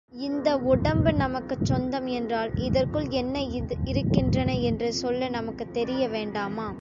இந்த உடம்பு நமக்குச் சொந்தம் என்றால் இதற்குள் என்ன இருக்கின்றன என்று சொல்ல நமக்குத் தெரிய வேண்டாமா?